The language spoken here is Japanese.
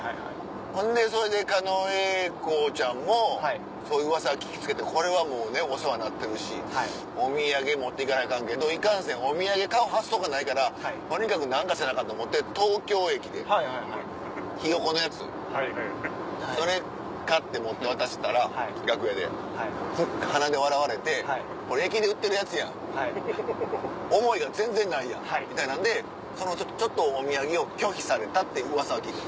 ほんでそれで狩野英孝ちゃんもそういううわさ聞き付けてこれはもうお世話になってるしお土産持っていかなアカンけどいかんせんお土産買う発想がないからとにかく何かせなアカンと思うて東京駅でひよ子のやつそれ買って持って渡したら楽屋でフッて鼻で笑われて「これ駅で売ってるやつやん。思いが全然ないやん」みたいなんでそのお土産を拒否されたってうわさは聞いた。